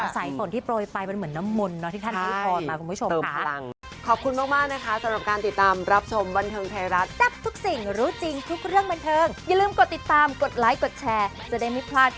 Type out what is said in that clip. สายฝนที่โปรยไปมันเหมือนน้ำมนต์ที่ท่านให้พรมาคุณผู้ชมค่ะ